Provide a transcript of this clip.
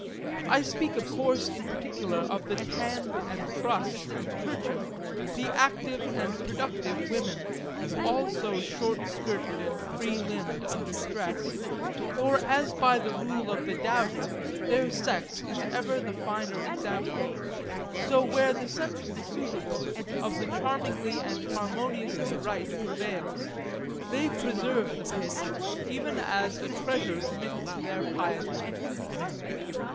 I speak of course in particular of the tanned and trussed and kerchiefed, the active and productive women, all so short skirted and free limbed under stress; for as by the rule of the dowdy their sex is ever the finer example, so where the sense of the suitable, of the charmingly and harmoniously right prevails, they preserve the pitch even as a treasure committed to their piety.